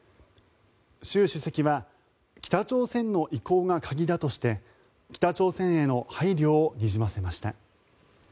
習主席は北朝鮮の意向が鍵だとして北朝鮮への配慮をにじませました。